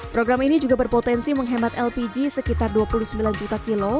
program ini juga berpotensi menghemat lpg sekitar dua puluh sembilan juta kilo